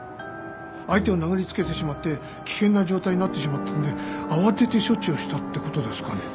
相手を殴りつけてしまって危険な状態になってしまったんで慌てて処置をしたってことですかね。